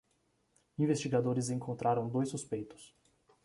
Investigadores encontraram dois suspeitos